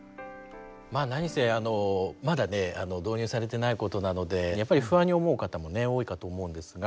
まあ何せまだね導入されてないことなのでやっぱり不安に思う方もね多いかと思うんですが。